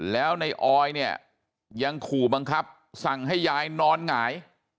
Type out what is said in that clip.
แล้วในออยเนี่ยยังขู่บังคับสั่งให้ยายนอนหงาย